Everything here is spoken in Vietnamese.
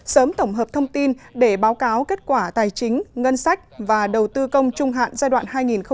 sớm tổng hợp thông tin để báo cáo kết quả tài chính ngân sách và đầu tư công trung hạn giai đoạn hai nghìn một mươi sáu hai nghìn hai mươi